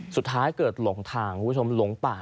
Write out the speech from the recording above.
สุดท้ายเกิดหลงทางคุณผู้ชมหลงป่า